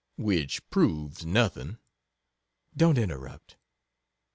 C. Which proves nothing. MADAME. Don't interrupt.